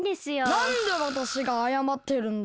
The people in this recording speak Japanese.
なんでわたしがあやまってるんだ！？